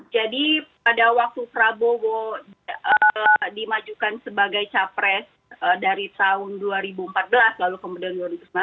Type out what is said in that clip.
jadi pada waktu prabowo dimajukan sebagai capres dari tahun dua ribu empat belas lalu kemudian dua ribu sembilan belas